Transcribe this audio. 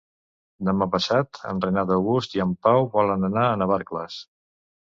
Demà passat en Renat August i en Pau volen anar a Navarcles.